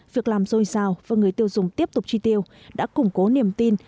việc làm dôi dào và người tiêu dùng tiếp tục tri tiêu đã củng cố niềm tin